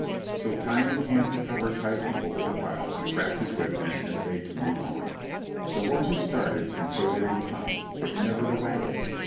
So, tying the canvas cover tightly over the pile he cracked his whip and essayed to move on. The horses started and so did the tongue, but never the wagon.